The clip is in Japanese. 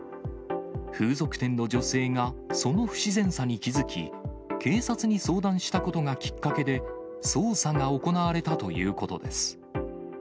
風俗店の女性が、その不自然さに気付き、警察に相談したことがきっかけで、捜査が行われたということです。